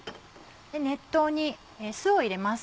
熱湯に酢を入れます。